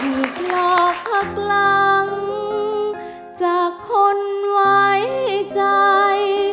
หลอกหักหลังจากคนไว้ใจ